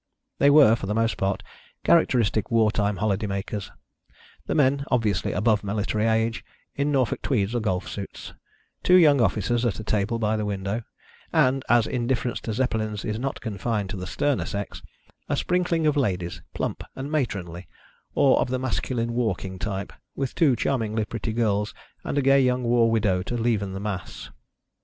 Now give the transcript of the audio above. They were, for the most part, characteristic war time holiday makers: the men, obviously above military age, in Norfolk tweeds or golf suits; two young officers at a table by the window, and as indifference to Zeppelins is not confined to the sterner sex a sprinkling of ladies, plump and matronly, or of the masculine walking type, with two charmingly pretty girls and a gay young war widow to leaven the mass.